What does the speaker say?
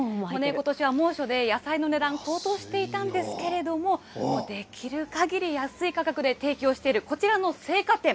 ことしは猛暑で、野菜の値段、高騰していたんですけれども、もうできるかぎり安い価格で提供している、こちらの青果店。